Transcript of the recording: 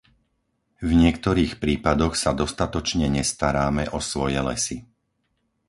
V niektorých prípadoch sa dostatočne nestaráme o svoje lesy.